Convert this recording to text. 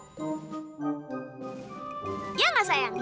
soalnya dia yang berkorban buat saya